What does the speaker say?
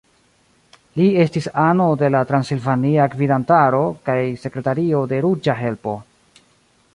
Li estis ano de la transilvania gvidantaro kaj sekretario de Ruĝa Helpo.